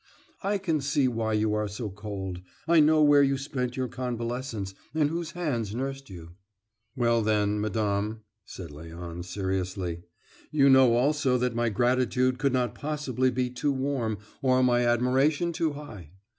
I can see why you are so cold. I know where you spent your convalescence, and whose hands nursed you." "Well, then, madame," said Léon, seriously, "you know also that my gratitude could not possibly be too warm, or my admiration too high.